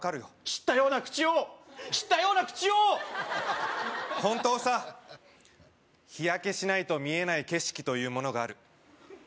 知ったような口を知ったような口を本当さ日焼けしないと見えない景色というものがある